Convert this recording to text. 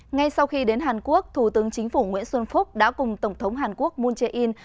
ngay sau khi đến hàn quốc thủ tướng chính phủ nguyễn xuân phúc đã cùng tổng thống hàn quốc moon jae in